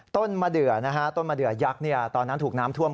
ต้นมะเดือนะฮะต้นมะเดือยักษ์ตอนนั้นถูกน้ำท่วม